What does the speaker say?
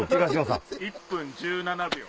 １分１７秒。